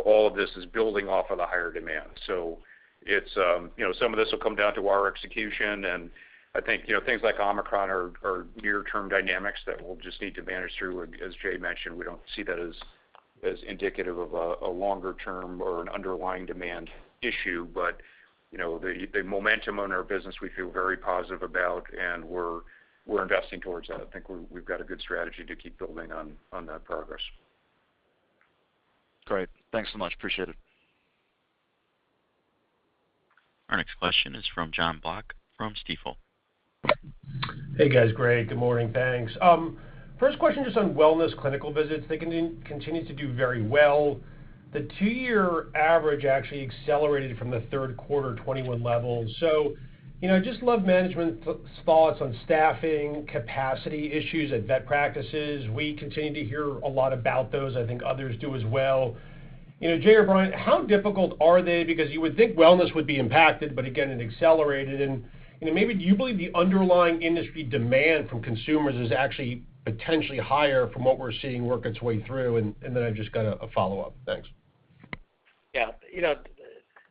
All of this is building off of the higher demand. You know, some of this will come down to our execution. I think you know, things like Omicron are near-term dynamics that we'll just need to manage through. As Jay mentioned, we don't see that as indicative of a longer term or an underlying demand issue. You know, the momentum on our business we feel very positive about, and we're investing towards that. I think we've got a good strategy to keep building on that progress. Great. Thanks so much. Appreciate it. Our next question is from Jon Block from Stifel. Hey, guys. Great. Good morning. Thanks. First question just on wellness clinical visits. They continue to do very well. The two-year average actually accelerated from Q3 2021 levels. You know, just love management thoughts on staffing, capacity issues at vet practices. We continue to hear a lot about those. I think others do as well. You know, Jay or Brian, how difficult are they? Because you would think wellness would be impacted, but again, it accelerated. You know, maybe do you believe the underlying industry demand from consumers is actually potentially higher from what we're seeing work its way through? Then I've just got a follow-up. Thanks. Yeah. You know,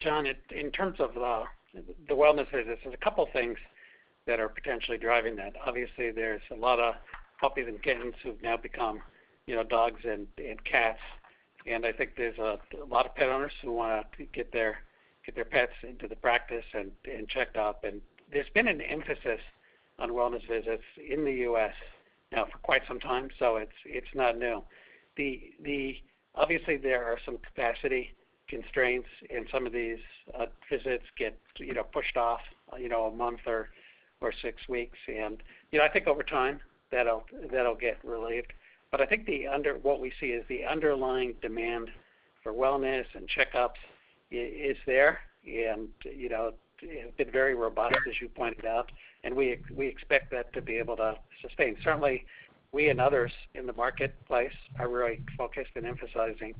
Jon, in terms of the wellness visits, there's a couple things that are potentially driving that. Obviously, there's a lot of puppies and kittens who've now become, you know, dogs and cats. I think there's a lot of pet owners who wanna get their pets into the practice and checked up. There's been an emphasis on wellness visits in the U.S. now for quite some time, so it's not new. Obviously there are some capacity constraints, and some of these visits get, you know, pushed off, you know, a month or six weeks. You know, I think over time that'll get relieved. I think what we see is the underlying demand. For wellness and checkups, it's there and, you know, it's been very robust, as you pointed out, and we expect that to be able to sustain. Certainly we and others in the marketplace are really focused on emphasizing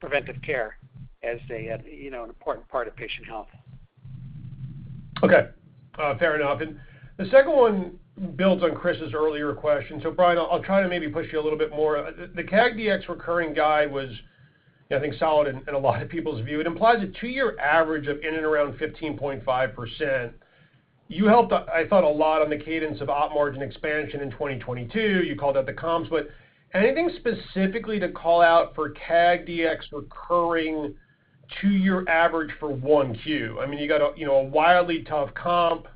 preventive care as a, you know, an important part of patient health. Okay. Fair enough. The second one builds on Chris's earlier question. Brian, I'll try to maybe push you a little bit more. The CAGDX recurring guide was, I think, solid in a lot of people's view. It implies a two-year average of in and around 15.5%. You helped, I thought, a lot on the cadence of Op margin expansion in 2022. You called out the comps. Anything specifically to call out for CAGDX recurring two-year average for 1Q? I mean, you got a, you know, a wildly tough comp.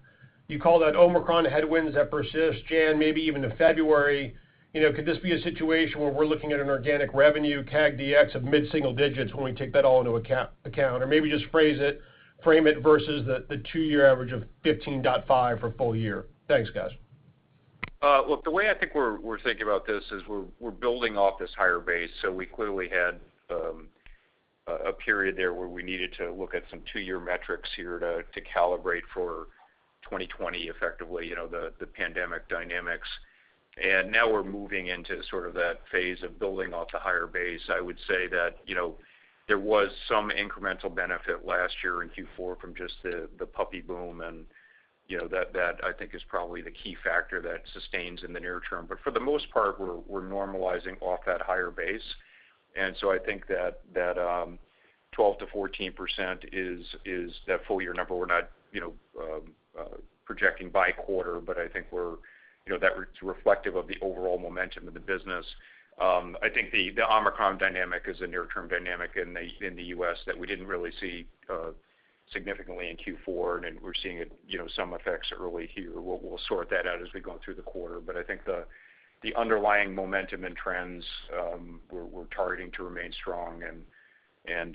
You called out Omicron headwinds that persist, January, maybe even to February. You know, could this be a situation where we're looking at an organic revenue CAGDX of mid-single digits when we take that all into account? Maybe just phrase it, frame it versus the two-year average of 15.5 for full-year. Thanks, guys. Look, the way I think we're thinking about this is we're building off this higher base. We clearly had a period there where we needed to look at some two-year metrics here to calibrate for 2020 effectively, you know, the pandemic dynamics. Now we're moving into sort of that phase of building off the higher base. I would say that, you know, there was some incremental benefit last year in Q4 from just the puppy boom, and you know that I think is probably the key factor that sustains in the near term. For the most part, we're normalizing off that higher base. I think that 12%-14% is that full-year number. We're not, you know, projecting by quarter, but I think we're, you know, that's reflective of the overall momentum of the business. I think the Omicron dynamic is a near-term dynamic in the U.S. that we didn't really see significantly in Q4, and we're seeing it, you know, some effects early here. We'll sort that out as we go through the quarter. I think the underlying momentum and trends, we're targeting to remain strong and,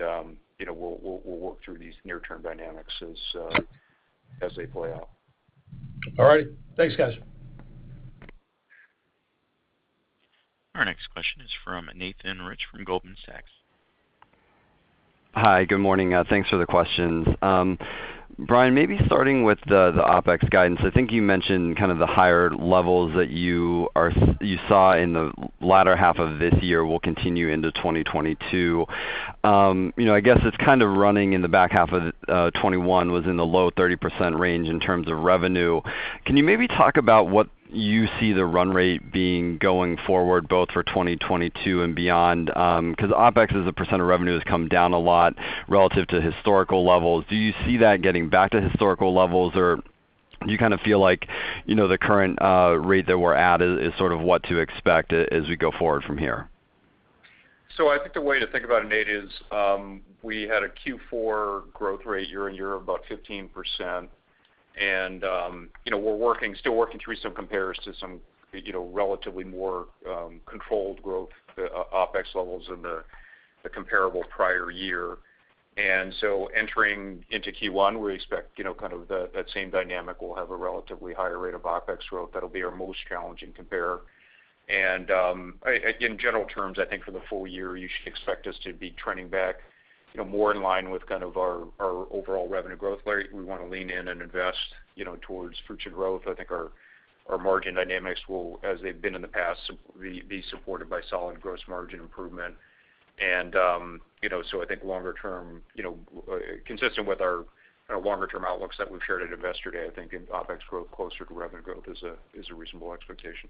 you know, we'll work through these near-term dynamics as they play out. All right. Thanks, guys. Our next question is from Nathan Rich from Goldman Sachs. Hi. Good morning. Thanks for the questions. Brian, maybe starting with the OpEx guidance, I think you mentioned kind of the higher-levels that you saw in the latter half of this year will continue into 2022. You know, I guess it's kind of running in the back half of 2021 was in the low 30% range in terms of revenue. Can you maybe talk about what you see the run rate being going forward, both for 2022 and beyond? 'Cause OpEx as a percent of revenue has come down a lot relative to historical levels. Do you see that getting back to historical levels, or do you kinda feel like, you know, the current rate that we're at is sort of what to expect as we go forward from here? I think the way to think about it, Nate, is we had a Q4 growth rate year-on-year of about 15%. You know, we're still working through some compares to some, you know, relatively more controlled growth, OpEx levels in the comparable prior-year. Entering into Q1, we expect, you know, kind of that same dynamic. We'll have a relatively higher rate of OpEx growth. That'll be our most challenging compare. Again, general terms, I think for the full-year, you should expect us to be trending back, you know, more in line with kind of our overall revenue growth rate. We wanna lean in and invest, you know, towards future growth. I think our margin dynamics will, as they've been in the past, be supported by solid gross margin improvement. you know, so I think longer term, you know, consistent with our longer-term outlooks that we've shared at Investor Day, I think OpEx growth closer to revenue growth is a reasonable expectation.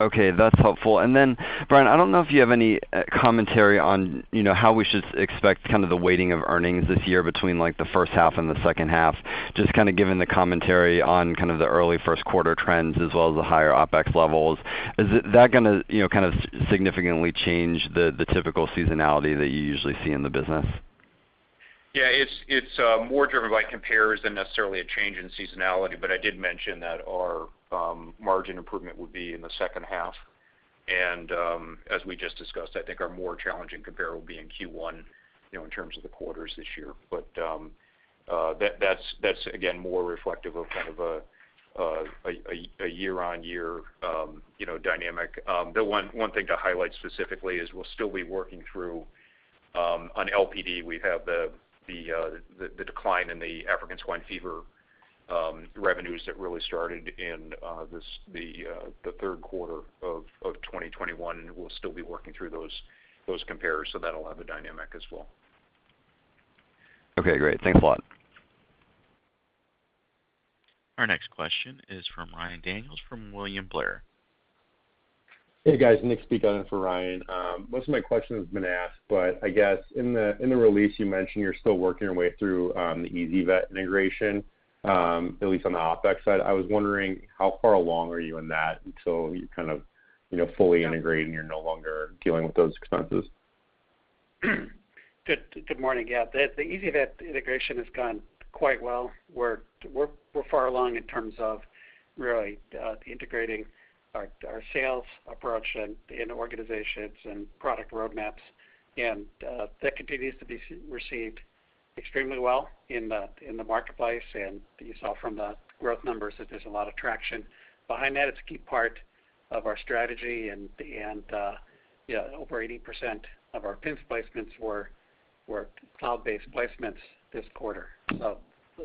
Okay, that's helpful. Brian, I don't know if you have any commentary on, you know, how we should expect kind of the weighting of earnings this year between like the first half and the second half, just kinda given the commentary on kind of the early Q1 trends as well as the higher OpEx levels. Is that gonna, you know, kind of significantly change the typical seasonality that you usually see in the business? Yeah, it's more driven by compares than necessarily a change in seasonality, but I did mention that our margin improvement would be in the second half. As we just discussed, I think our more challenging compare will be in Q1, you know, in terms of the quarters this year. That's again more reflective of kind of a year-on-year, you know, dynamic. The one thing to highlight specifically is we'll still be working through, on LPD, we have the decline in the African swine fever revenues that really started in Q3 of 2021, and we'll still be working through those compares, so that'll have a dynamic as well. Okay, great. Thanks a lot. Our next question is from Ryan Daniels from William Blair. Hey, guys. Nick speaking in for Ryan. Most of my question has been asked, but I guess in the release, you mentioned you're still working your way through the ezyVet integration, at least on the OpEx side. I was wondering how far along are you in that until you kind of, you know, fully integrate and you're no longer dealing with those expenses? Good morning. The ezyVet integration has gone quite well. We're far along in terms of really integrating our sales approach and organizations and product roadmaps. That continues to be so received extremely well in the marketplace. You saw from the growth numbers that there's a lot of traction behind that. It's a key part of our strategy and over 80% of our PIMS placements were cloud-based placements this quarter.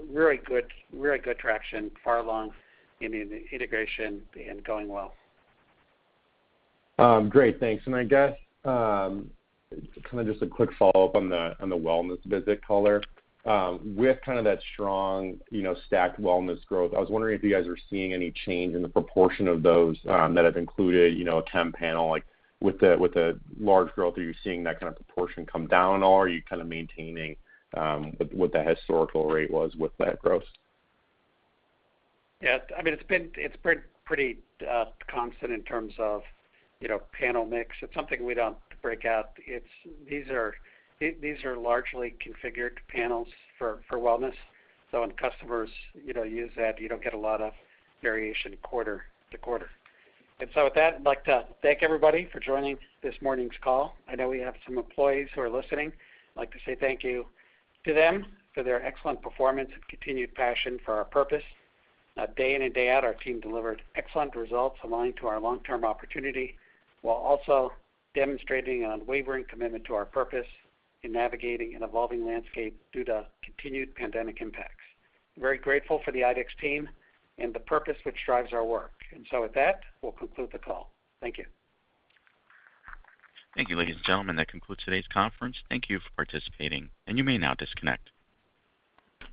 Really good traction, far along in the integration and going well. Great. Thanks. I guess kinda just a quick follow-up on the wellness visit color. With kind of that strong, you know, stacked wellness growth, I was wondering if you guys are seeing any change in the proportion of those that have included, you know, a temp panel. Like, with the large growth, are you seeing that kind of proportion come down, or are you kind of maintaining what the historical rate was with that growth? Yeah. I mean, it's been pretty constant in terms of, you know, panel mix. It's something we don't break out. These are largely configured panels for wellness. So when customers, you know, use that, you don't get a lot of variation quarter-to-quarter. With that, I'd like to thank everybody for joining this morning's call. I know we have some employees who are listening. I'd like to say thank you to them for their excellent performance and continued passion for our purpose. Day in and day out, our team delivered excellent results aligned to our long-term opportunity, while also demonstrating an unwavering commitment to our purpose in navigating an evolving landscape due to continued pandemic impacts. Very grateful for the IDEXX team and the purpose which drives our work. With that, we'll conclude the call. Thank you. Thank you, ladies and gentlemen. That concludes today's conference. Thank you for participating, and you may now disconnect.